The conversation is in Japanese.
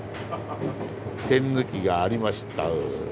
栓抜きがありました。